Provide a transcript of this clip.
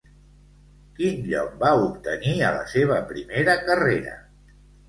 Quin lloc va obtenir a la seva primera carrera?